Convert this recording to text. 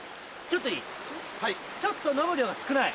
ちょっといい？